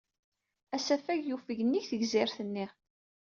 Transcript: Asafag yufeg nnig tegzirt-nni.